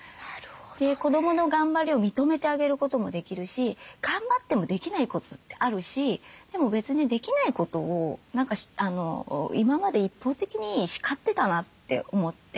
子どもの頑張りを認めてあげることもできるし頑張ってもできないことってあるしでも別にできないことを今まで一方的に叱ってたなって思って。